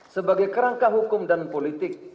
sebagai kerangka hukum dan politik